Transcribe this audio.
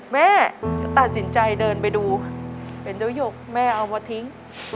แม่ตัดสินใจเดินไปดูเป็นเจ้าหยกแม่เอามาทิ้ง